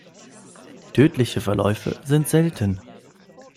Tödliche Verläufe sind selten.